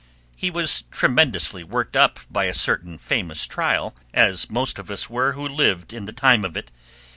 He was tremendously worked up by a certain famous trial, as most of us were who lived in the time of it.